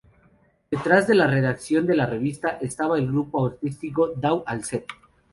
Detrás de la redacción de la revista estaba el grupo artístico Dau al Set.